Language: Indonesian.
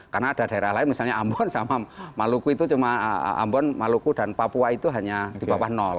karena ada daerah lain misalnya ambon sama maluku itu cuma ambon maluku dan papua itu hanya di bawah